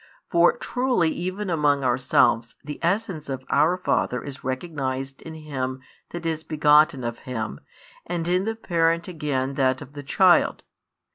For truly even among ourselves the essence of our father is recognised in him that is begotten of him, and in the parent again that of the child.